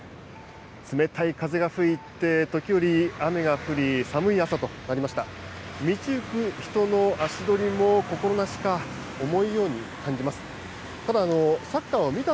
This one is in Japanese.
冷たい風が吹いて、時折、雨が降り、寒い朝となりました。